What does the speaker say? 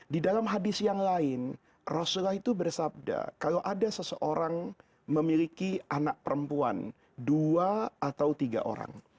di dalam hadis yang lain rasulullah itu bersabda kalau ada seseorang memiliki anak perempuan dua atau tiga orang